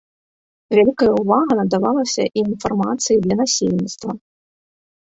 Вялікая ўвага надавалася і інфармацыі для насельніцтва.